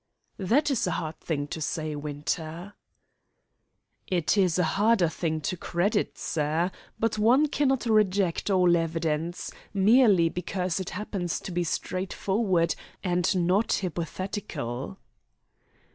"That is a hard thing to say, Winter." "It is a harder thing to credit, sir; but one cannot reject all evidence, merely because it happens to be straightforward and not hypothetical."